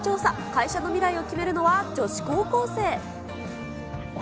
会社の未来を決めるのは女子高校生。